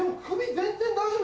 全然大丈夫。